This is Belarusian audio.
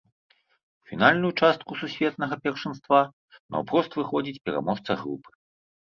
У фінальную частку сусветнага першынства наўпрост выходзіць пераможца групы.